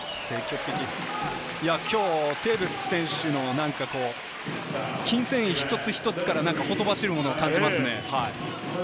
今日、テーブス選手の筋繊維一つ一つからほとばしるものを感じますね。